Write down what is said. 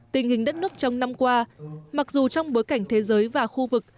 tình hình đất nước trong năm qua mặc dù trong bối cảnh thế giới và khu vực